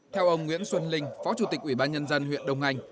theo ông nguyễn xuân linh phó chủ tịch ủy ban nhân dân huyện đông anh